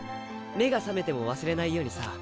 目が覚めても忘れないようにさ。